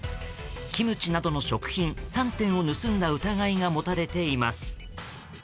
キムチなどの食品３点を盗んだ疑いが持たれています。